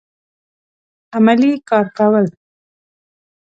عملي کار کول